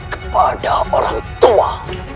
kepada orang tua